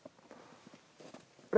あれ？